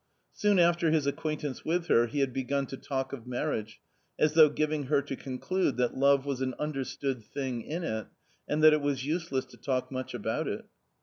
Soon after his acquaintance with her he had begun to talk of marriage, as though giving her to con clude that love was an understood thing in it, and that it was useless to talk much about it.